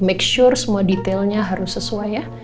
make sure semua detailnya harus sesuai ya